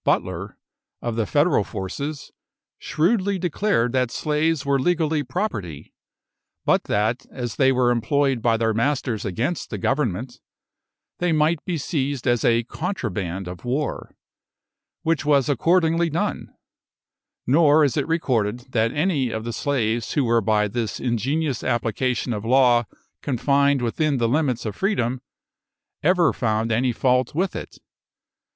Butler, of the Federal forces, shrewdly declared that slaves were legally property, but that, as they were employed by their masters against the Government, they might be seized as contraband of war, which was accordingly done; nor is it recorded that any of the slaves who were by this ingenious application of law confined within the limits of freedom ever found any fault with it.